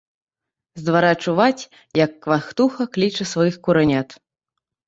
З двара чуваць, як квактуха кліча сваіх куранят.